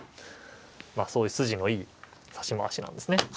そういう筋のいい指し回しなんですね。